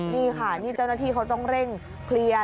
นี่ค่ะนี่เจ้าหน้าที่เขาต้องเร่งเคลียร์